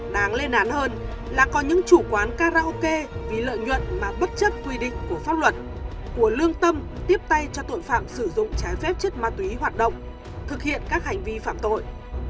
đáng lên án hơn là có những chủ quán karaoke vì lợi nhuận mà bất chấp quy định của pháp luật của lương tâm tiếp tay cho tội phạm sử dụng trái phép chất ma túy hoạt động thực hiện các hành vi phạm tội